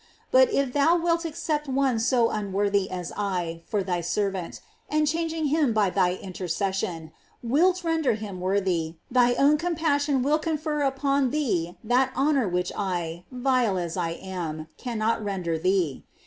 But if thou wilt accept one so unworthy as I for thy servant, and chang ing him by thy intercession, wilt render him worthy, thy own compassion will confer upon thee that honor which I, vile as I am, cannot render thee.